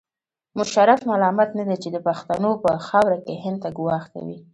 مشرف ملامت نه دی چې د پښتنو په خاوره کې هند ته ګواښ کوي.